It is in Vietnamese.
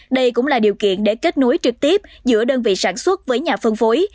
đây cũng là điều kiện để kết nối trực tiếp giữa đơn vị sản xuất với nhà phân phối